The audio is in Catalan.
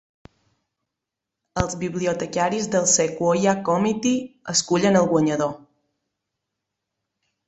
Els bibliotecaris del Sequoyah Committee escullen el guanyador.